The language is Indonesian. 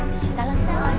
bisa lah soalnya